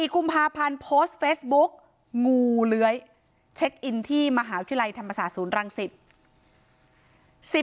๔กุมภาพันธ์โพสต์เฟซบุ๊กงูเลื้อยเช็คอินที่มหาวิทยาลัยธรรมศาสตร์ศูนย์รังสิต